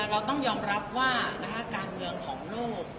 เราต้องยอมรับว่าการเมืองของโลก